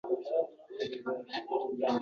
Choʻlpon ijodi – yoshlar nigohida